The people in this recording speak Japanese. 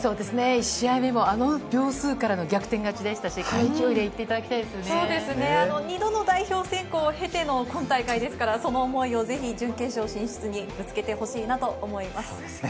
１試合目もあの秒数からの逆転勝ちでしたし、この勢いで行っ２度の代表選考を経ての今大会、その思いを準決勝進出にぶつけてほしいなと思います。